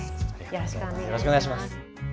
よろしくお願いします。